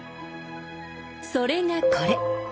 それがこれ。